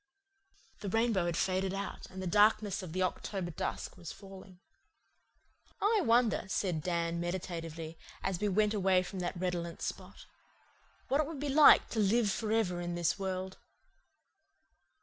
The rainbow had faded out, and the darkness of the October dusk was falling. "I wonder," said Dan meditatively, as we went away from that redolent spot, "what it would be like to live for ever in this world."